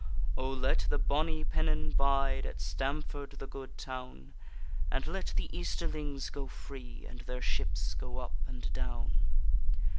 O, let the bonny pennon bide At Stamford, the good town, And let the Easterlings go free, And their ships go up and down.